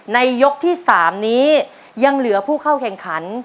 ยกที่๓นี้ยังเหลือผู้เข้าแข่งขัน